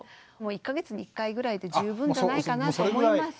１か月に１回ぐらいで十分じゃないかなと思います。